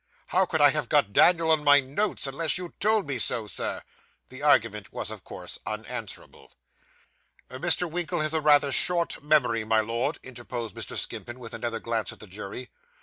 'How could I have got Daniel on my notes, unless you told me so, Sir?' This argument was, of course, unanswerable. 'Mr. Winkle has rather a short memory, my Lord,' interposed Mr. Skimpin, with another glance at the jury.